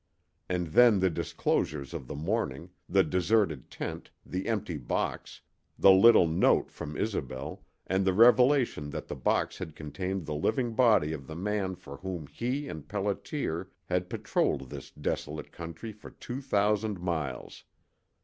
And then the disclosures of the morning, the deserted tent, the empty box, the little note from Isobel, and the revelation that the box had contained the living body of the man for whom he and Pelliter had patrolled this desolate country for two thousand miles.